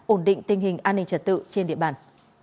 ổn định tình hình an ninh trật tự trên địa bàn